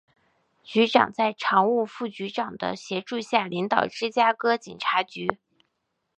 局长在常务副局长的协助下领导芝加哥警察局。